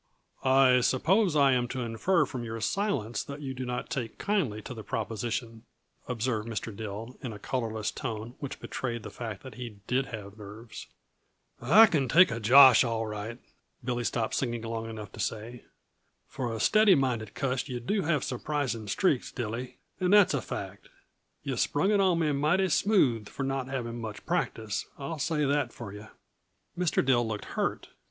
"I suppose I am to infer from your silence that you do not take kindly to the proposition," observed Mr. Dill, in a colorless tone which betrayed the fact that he did have nerves. "I can take a josh, all right," Billy stopped singing long enough to say. "For a steady minded cuss, yuh do have surprising streaks, Dilly, and that's a fact. Yuh sprung it on me mighty smooth, for not having much practice I'll say that for yuh." Mr. Dill looked hurt.